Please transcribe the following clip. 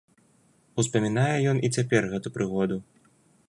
Успамінае ён і цяпер гэту прыгоду.